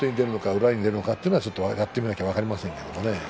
裏に出るのかというのはやってみないと分かりません。